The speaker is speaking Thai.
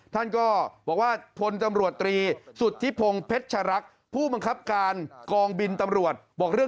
ท่านก็บอกว่าพตรีสุธิพงภ์เพชรรัก